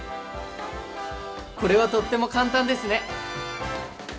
これはとっても簡単ですね！